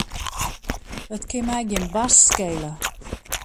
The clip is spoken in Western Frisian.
It kin my gjin barst skele.